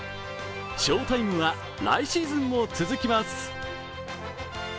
翔タイムは来シーズンも続きます。